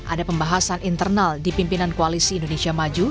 ada pembahasan internal di pimpinan koalisi indonesia maju